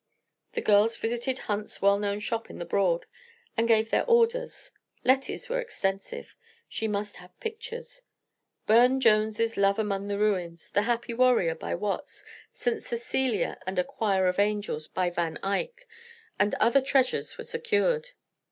The girls visited Hunt's well known shop in the Broad and gave their orders. Lettie's were extensive. She must have pictures. Burne Jones' "Love among the Ruins," "The Happy Warrior" by Watts, "St. Cecilia and a Choir of Angels" by Van Eyck, and other treasures were secured.